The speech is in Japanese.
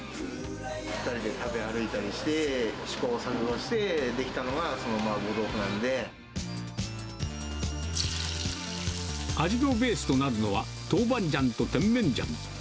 ２人で食べ歩いたりして、試行錯誤して出来たのが、味のベースとなるのは、トウバンジャンとテンメンジャン。